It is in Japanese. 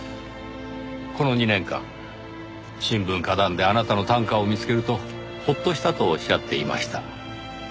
この２年間新聞歌壇であなたの短歌を見つけるとほっとしたとおっしゃっていました。